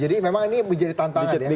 jadi memang ini menjadi tantangan ya